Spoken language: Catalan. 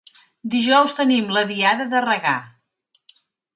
Dijous tenim la diada de regar.